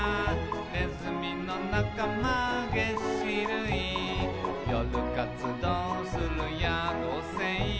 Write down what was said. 「ねずみのなかま齧歯類」「よるかつどうするやこうせい」